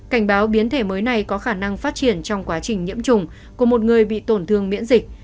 cảnh báo biến thể mới này có khả năng phát triển trong quá trình nhiễm trùng của một người bị tổn thương miễn dịch